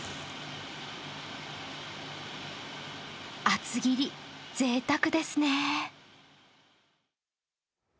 厚切り、ぜいたくですね。